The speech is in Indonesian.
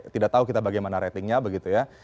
tidak tahu kita bagaimana ratingnya begitu ya